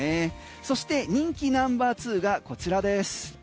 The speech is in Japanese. そして人気ナンバーツーがこちらです。